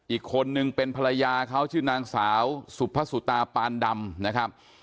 อีกคนนึงเป็นภรรยาเขาชื่อนางสาวสุภสุตาปานดำนะครับ